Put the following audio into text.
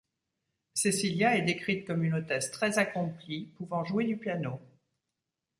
Cecilia est décrite comme une hôtesse très accomplie, pouvant jouer du piano.